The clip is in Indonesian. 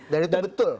dan itu betul